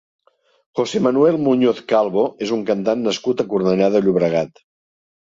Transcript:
José Manuel Muñoz Calvo és un cantant nascut a Cornellà de Llobregat.